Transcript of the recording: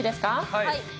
はい。